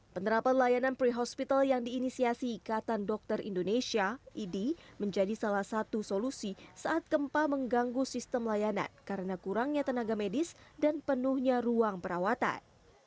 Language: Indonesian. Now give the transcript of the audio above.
penerapan layanan pre hospital yang diinisiasi ikatan dokter indonesia idi menjadi salah satu solusi saat gempa mengganggu sistem layanan karena kurangnya tenaga medis dan penuhnya ruang perawatan